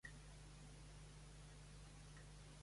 Chiun ensenya a Remo l'art marcial coreana anomenada "Sinanju".